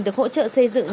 được hỗ trợ xây dựng